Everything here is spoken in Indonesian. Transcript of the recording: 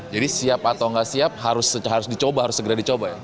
jadi siap atau gak siap harus dicoba harus segera dicoba ya